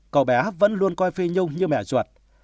cậu bé vẫn luôn coi phê nhung như mẹ ruột